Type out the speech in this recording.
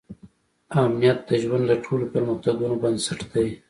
امنیت د ژوند د ټولو پرمختګونو بنسټ دی.